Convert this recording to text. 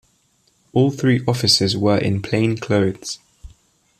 All three officers were in plain clothes.